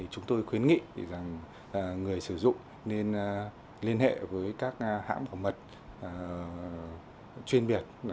chúng tôi khuyến nghị người sử dụng nên liên hệ với các hãng phòng mật chuyên biệt